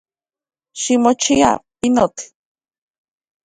Ximochia, pinotl.